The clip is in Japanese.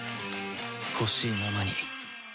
ほしいままに